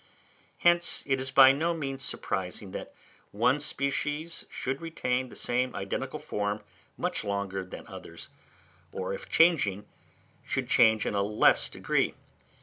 Hence it is by no means surprising that one species should retain the same identical form much longer than others; or, if changing, should change in a less degree.